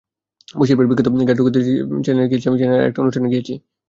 বশির ভাইয়ের বিখ্যাত গেট টুগেদারে গিয়েছি, চ্যানেল আইয়ের একটা অনুষ্ঠানে গিয়েছি।